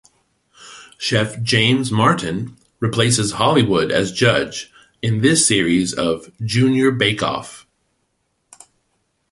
Chef James Martin replaces Hollywood as judge in this series of "Junior Bake Off".